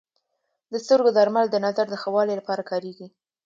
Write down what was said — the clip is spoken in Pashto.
د سترګو درمل د نظر د ښه والي لپاره کارېږي.